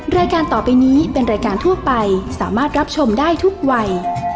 รายการต่อไปนี้เป็นรายการทั่วไปสามารถรับชมได้ทุกวัย